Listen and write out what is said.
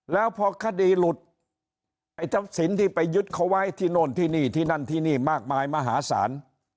แล้วพอคดีหลุดไอ้ทรัพย์สินที่ไปยึดเขาไว้ที่โน่นที่นี่ที่นั่นที่นี่มากมายมหาศาล